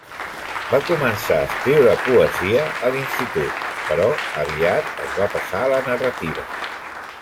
Va començar a escriure poesia a l'institut, però aviat es va passar a la narrativa.